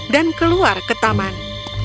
dan keluar ke taman